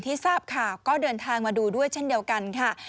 ทราบข่าวก็เดินทางมาดูด้วยเช่นเดียวกันค่ะ